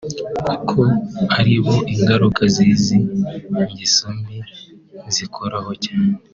kuko aribo ingaruka z’izi ngeso mbi zikoraho cyane